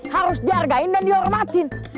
harus dihargain dan dihormatin